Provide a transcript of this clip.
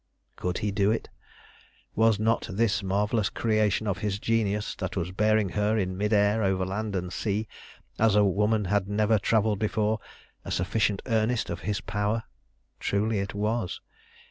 Could he do it? Was not this marvellous creation of his genius, that was bearing her in mid air over land and sea, as woman had never travelled before, a sufficient earnest of his power? Truly it was.